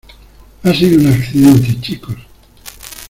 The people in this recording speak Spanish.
Ha sido un accidente, chicos.